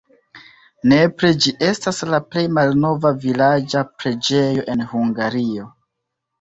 Nepre ĝi estas la plej malnova vilaĝa preĝejo en Hungario.